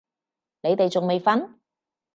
你哋仲未瞓？